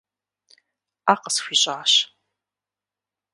Ӏэ къысхуищӏащ.